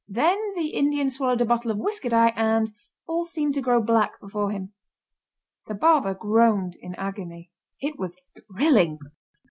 Then the Indian swallowed a bottle of whisker dye and all seemed to grow black before him. The barber groaned in agony. It was thrilling.